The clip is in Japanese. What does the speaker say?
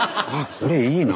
これいいな。